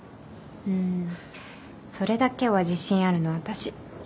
うんそれだけは自信あるの私。